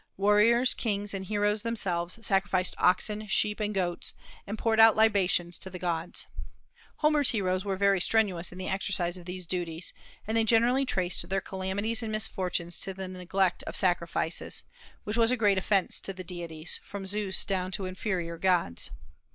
Warriors, kings, and heroes themselves sacrificed oxen, sheep, and goats, and poured out libations to the gods. Homer's heroes were very strenuous in the exercise of these duties; and they generally traced their calamities and misfortunes to the neglect of sacrifices, which was a great offence to the deities, from Zeus down to inferior gods.